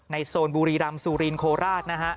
ในโซนบุรีรำสูรินค์โคลราชนะฮะ